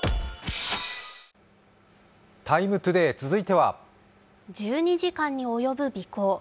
「ＴＩＭＥ，ＴＯＤＡＹ」続いては１２時間に及ぶ尾行。